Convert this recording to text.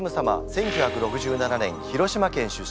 １９６７年広島県出身。